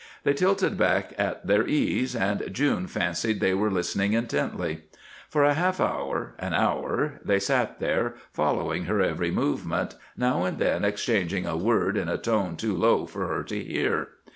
They tilted back at their ease, and June fancied they were listening intently. For a half hour, an hour, they sat there, following her every movement, now and then exchanging a word in a tone too low for her to hear.